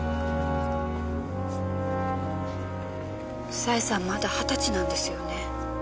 紗絵さんまだ二十歳なんですよね。